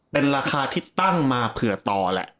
เป็นราคาที่ตั้งมาเผื่อต่อแหละ